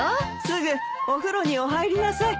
すぐお風呂にお入りなさい。